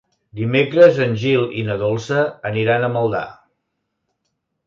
Dimecres en Gil i na Dolça aniran a Maldà.